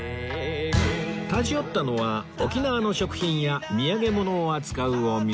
立ち寄ったのは沖縄の食品や土産物を扱うお店